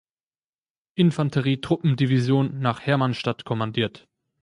Infanterie-Truppen-Division nach Hermannstadt kommandiert.